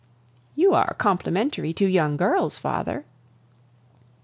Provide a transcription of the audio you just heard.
"You are complimentary to young girls, father."